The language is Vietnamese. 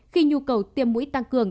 khi nhu cầu tiêm mũi tăng cường